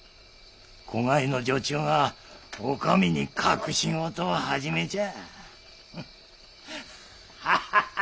子飼いの女中が女将に隠し事を始めちゃ。